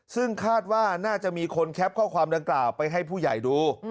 ซึ่งคาดว่าน่าจะมีคนแคปข้อความดังกล่าวไปให้ผู้ใหญ่ดู